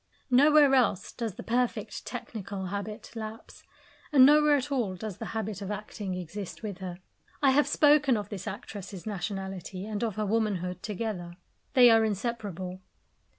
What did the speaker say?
Nowhere else does the perfect technical habit lapse, and nowhere at all does the habit of acting exist with her. I have spoken of this actress's nationality and of her womanhood together. They are inseparable.